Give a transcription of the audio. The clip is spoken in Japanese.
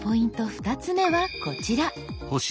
２つ目はこちら。